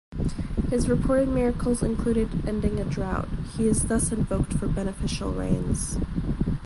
His reported miracles included ending a drought; he is thus invoked for beneficial rains.